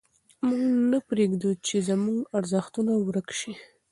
موږ نه پرېږدو چې زموږ ارزښتونه ورک سي.